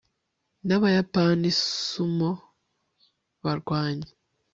ni abayapani sumo barwanyi